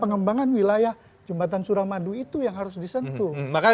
pengembangan wilayah jembatan suramadu itu yang harus disentuh